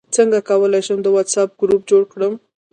څنګه کولی شم د واټساپ ګروپ جوړ کړم